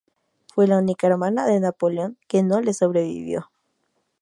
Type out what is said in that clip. Fue la única hermana de Napoleón que no le sobrevivió.